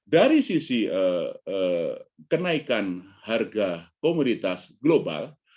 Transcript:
dari sisi kenaikan harga komoditas global